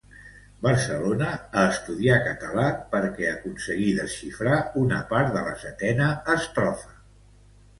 Barcelona a estudiar català perquè aconseguí desxifrar una part de la setena estrofa.